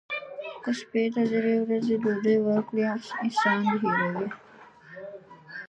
که سپي ته درې ورځې ډوډۍ ورکړه احسان نه هیروي.